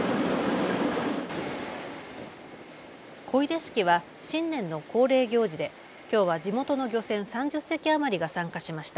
漕出式は新年の恒例行事できょうは地元の漁船３０隻余りが参加しました。